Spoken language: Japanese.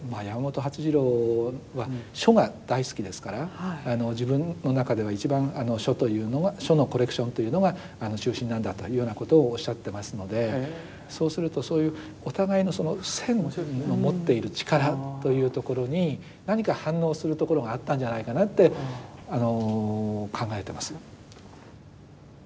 山本發次郎は書が大好きですから自分の中では一番書のコレクションというのが中心なんだというようなことをおっしゃってますのでそうするとそういうお互いのその線の持っている力というところに何か反応するところがあったんじゃないかなって考えてます。